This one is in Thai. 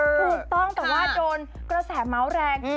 ถูกต้องแต่ว่าโดนกระแสเมาส์แรง